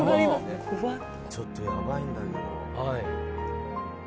ちょっとやばいんだけど。